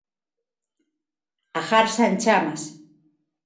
A garza en chamas.